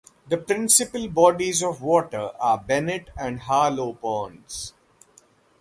The principal bodies of water are Bennett and Harlow ponds.